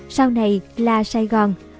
sau này là sài gòn